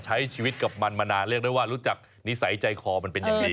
ใช้ชีวิตกับมันมานานเรียกได้ว่ารู้จักนิสัยใจคอมันเป็นอย่างดี